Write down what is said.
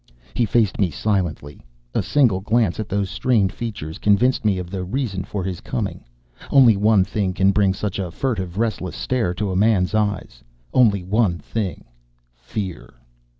He faced me silently. A single glance at those strained features convinced me of the reason for his coming. Only one thing can bring such a furtive, restless stare to a man's eyes. Only one thing fear.